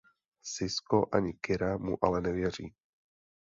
Sisko ani Kira mu ale nevěří.